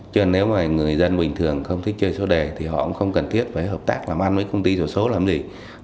chứ nếu mà người dân bình thường không thích chơi số đề thì họ cũng không cần thiết phải hợp tác làm ăn với công ty sổ số làm gì